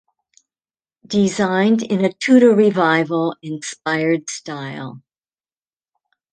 Designed in a Tudor revival inspired style.